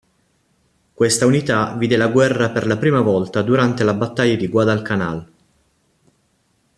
Questa unità vide la guerra per la prima volta durante la battaglia di Guadalcanal.